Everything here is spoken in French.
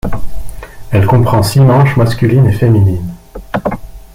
Elle comprend six manches masculines et féminines.